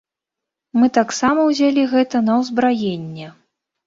Мы таксама ўзялі гэта на ўзбраенне.